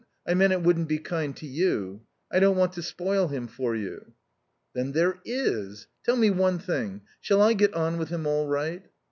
I meant it wouldn't be kind to you. I don't want to spoil him for you." "Then there is tell me one thing: Shall I get on with him all right?"